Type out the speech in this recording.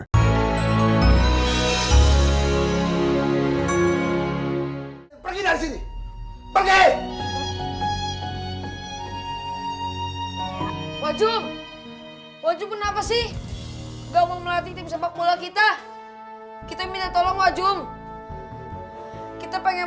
saya bilang tidak ya tidak